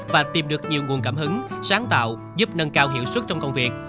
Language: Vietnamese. và tìm được nhiều nguồn cảm hứng sáng tạo giúp nâng cao hiệu sức trong công việc